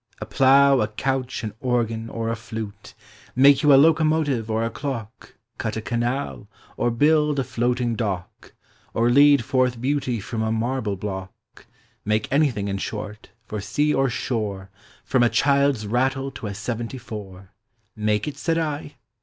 A plough, a couch, an organ or a llute; Make you a locomotive or a clock, Cut a canal, or build a lloatiug dock. Or lead forth lieauty from a marble block ;— Make anything in short, for sea or shore, From a child's rattle to a seventy four; — Make it, said I?